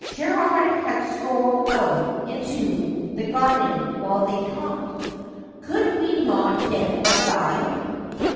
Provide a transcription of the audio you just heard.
Gerald had strolled out into the gar den while they talked. ' Could we not get a guide